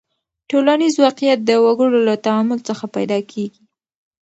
ټولنیز واقعیت د وګړو له تعامل څخه پیدا کیږي.